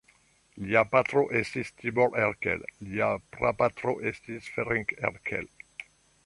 Lia patro estis Tibor Erkel, lia prapatro estis Ferenc Erkel.